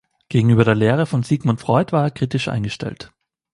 Gegenüber der Lehre von Sigmund Freud war er kritisch eingestellt.